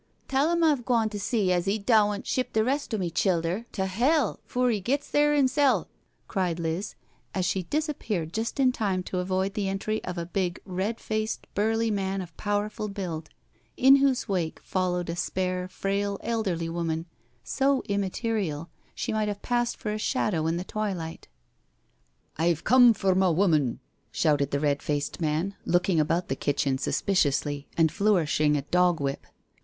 " Tell 'im I've gwon to see as 'e doant ship the rest o' my childher to hell foor 'e gits there 'imsel'," cried Liz, as she disappeared just in time to avoid the entry of a big red faced burly man of powerful build, in whose wake followed* a spare, frail elderly woman, so immaterial she might have passed for a shadow in the twilight. "I'm come for ma wummon," shouted the red faced man, looking about the kitchen suspiciously and flourishing a dog whip.